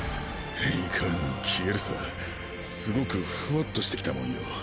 いかん消えるさすごくフワッとしてきたもんよ。